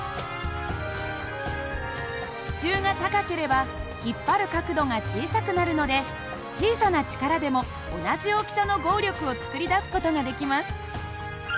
支柱が高ければ引っ張る角度が小さくなるので小さな力でも同じ大きさの合力を作り出す事ができます。